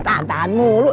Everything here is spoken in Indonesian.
aduh tahan tahanmu lu